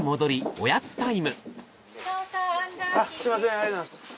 ありがとうございます。